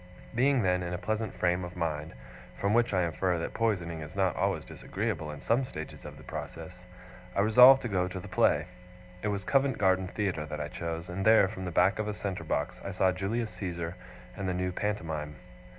Being then in a pleasant frame of mind (from which I infer that poisoning is not always disagreeable in some stages of the process), I resolved to go to the play. It was Covent Garden Theatre that I chose; and there, from the back of a centre box, I saw Julius Caesar and the new Pantomime.